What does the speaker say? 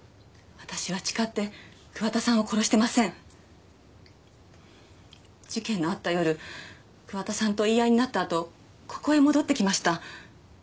私は誓って桑田さんを殺してません事件のあった夜桑田さんと言い合いになったあとここへ戻ってきました